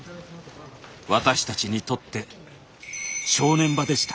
私たちにとって正念場でした。